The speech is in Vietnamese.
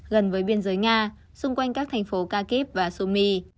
gần với biên giới nga xung quanh các thành phố kharkiv và sumy